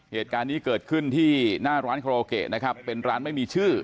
เหตุการณ์นี้เกิดขึ้นที่หน้าร้านคาราโอเกะนะครับเป็นร้านไม่มีชื่อ